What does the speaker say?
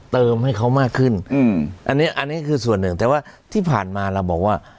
เติมให้เขามากขึ้นอืมอันนี้อันนี้คือส่วนหนึ่งแต่ว่าที่ผ่านมาเราบอกว่า